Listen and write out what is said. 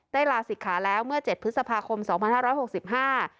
ลาศิกขาแล้วเมื่อเจ็ดพฤษภาคมสองพันห้าร้อยหกสิบห้า